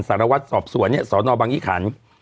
สารวัตรสอบสวนเนี่ยสนบังยี่ขัน